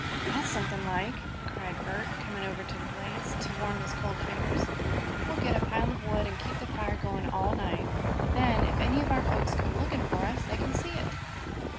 "That's something like!" cried Bert, coming over to the blaze to warm his cold fingers. "We'll get a pile of wood and keep the fire going all night. Then, if any of our folks come looking for us, they can see it."